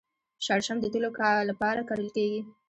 شړشم د تیلو لپاره کرل کیږي.